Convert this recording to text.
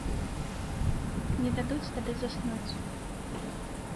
Не дадуць тады заснуць.